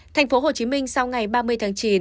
thành phố hồ chí minh sau ngày ba mươi tháng chín